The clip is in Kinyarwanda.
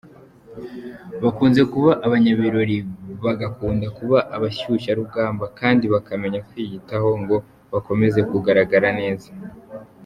Bakunze kuba abanyabirori, bagakunda kuba abashyushya rugamba kandi bakamenya kwiyitaho ngo bakomeze kugaragara neza.